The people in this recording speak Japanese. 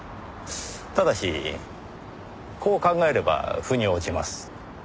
ただしこう考えれば腑に落ちます。